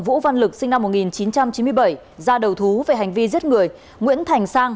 vũ văn lực sinh năm một nghìn chín trăm chín mươi bảy ra đầu thú về hành vi giết người nguyễn thành sang